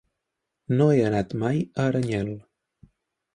No he anat mai a Aranyel.